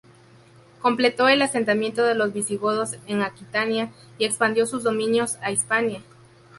Completó el asentamiento de los visigodos en Aquitania y expandió sus dominios a Hispania.